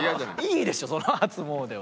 いいでしょ初詣は。